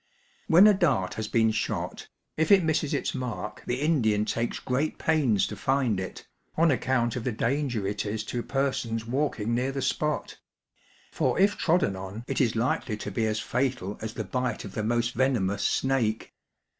When a dart has been shot, if it misses its mark the Indian takes great pains to find it, on account of the danger it is to persons walking near the spot ; for if trodden on it is likely to be as fatal as the bite of the most venomous snake.